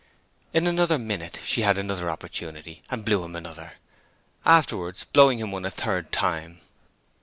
In another minute she had another opportunity, and blew him another; afterwards blowing him one a third time.